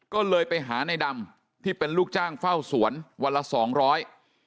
ก็เลยไปหาในดำที่เป็นลูกจ้างเฝ้าสวนวันละสองร้อย